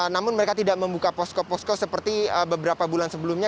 namun mereka tidak membuka posko posko seperti beberapa bulan sebelumnya